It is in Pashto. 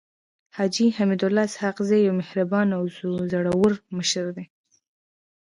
حاجي حميدالله اسحق زی يو مهربانه او زړور مشر دی.